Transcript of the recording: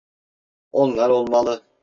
Onlar olmalı.